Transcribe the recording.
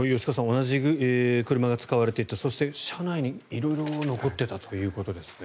同じ車が使われていたそして、車内に色々残っていたということですね。